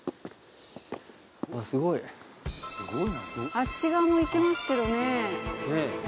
あっち側も行けますけどね。